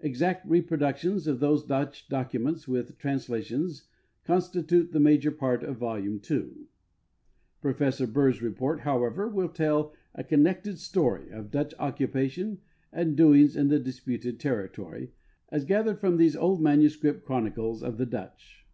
Exact reproductions of those Dutch documents with translations constitute the major ])art of volume 2. Professor Burr's report, however, will tell a connected story of Dutch occupation and doings in the disputed territory, as gathered from these old manuscript chronicles of the Dutch.